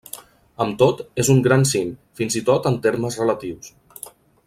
Amb tot, és un gran cim, fins i tot en termes relatius.